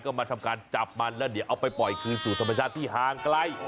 ก็มาทำการจับมันแล้วเดี๋ยวเอาไปปล่อยคืนสู่ธรรมชาติที่ห่างไกล